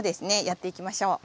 やっていきましょう。